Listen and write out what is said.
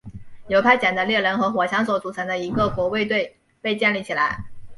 由派遣的猎人和火枪手组成的一个国卫队被建立起来。